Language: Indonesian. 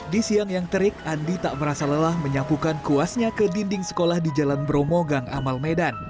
di siang yang terik andi tak merasa lelah menyapukan kuasnya ke dinding sekolah di jalan bromo gang amal medan